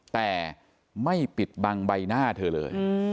แต่ไม่ปิดบังใบหน้าเธอเลย